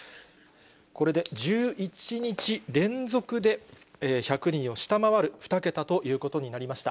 これで１１日連続で１００人を下回る２桁ということになりました。